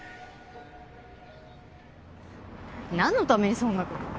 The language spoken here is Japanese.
なんのためにそんなこと。